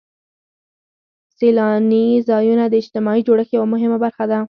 سیلاني ځایونه د اجتماعي جوړښت یوه مهمه برخه ده.